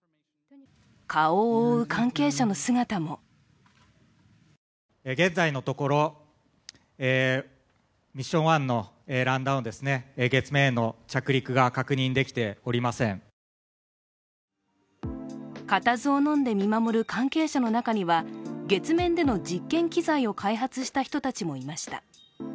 顔を覆う関係者の姿も固唾をのんで見守る関係者の中には月面での実験機材を開発した人たちもいました。